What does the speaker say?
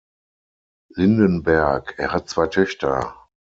Lindenberg, er hat zwei Töchter.